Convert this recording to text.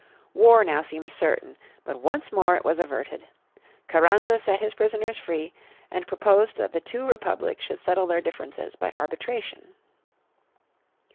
War was now certain. But once more it was averted. Carranza set his prisoners free and proposed that the two republics should settle their differences by arbitration.